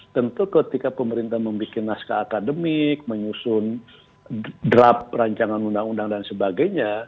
tentu ketika pemerintah membuat naskah akademik menyusun draft rancangan undang undang dan sebagainya